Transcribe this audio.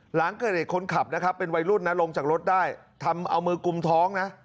หลังเกิดเหตุคนขับนะครับเป็นวัยรุ่นนะลงจากรถได้ทำเอามือกุมท้องนะ